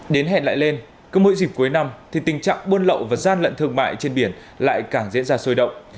đến hẹn lại lên cứ mỗi dịp cuối năm thì tình trạng buôn lậu và gian lận thương mại trên biển lại càng diễn ra sôi động